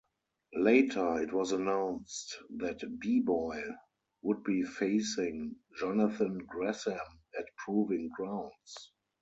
Later, it was announced that B-Boy would be facing Jonathan Gresham at Proving Grounds.